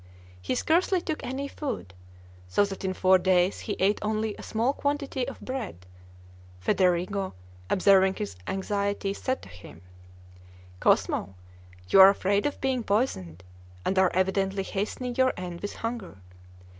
He scarcely took any food, so that in four days he ate only a small quantity of bread, Federigo, observing his anxiety, said to him, "Cosmo, you are afraid of being poisoned, and are evidently hastening your end with hunger.